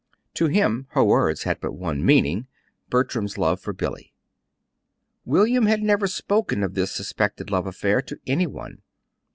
To him her words had but one meaning Bertram's love for Billy. William had never spoken of this suspected love affair to any one.